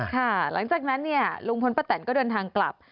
ค่ะหลังจากนั้นลุงพลป้าแต่นก็เดินทางกลับ